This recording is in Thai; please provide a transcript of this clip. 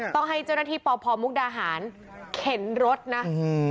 ต้องให้เจ้าน้าที่พอพอมุกดาหาเข็นรถนะอือ